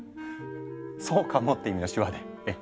「そうかも」っていう意味の手話でええ。